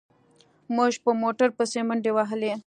موږ په موټر پسې منډې وهلې.